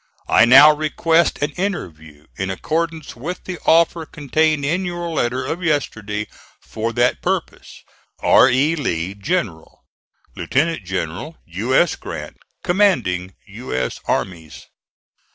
I now request an interview in accordance with the offer contained in your letter of yesterday for that purpose. R. E. LEE, General. LIEUTENANT GENERAL U. S. GRANT Commanding U. S. Armies.